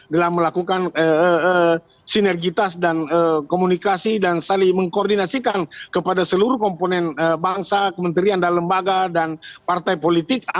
dalam melakukan sinergitas dan komunikasi dan saling mengkoordinasikan kepada seluruh komponen bangsa kementerian dan lembaga dan partai politik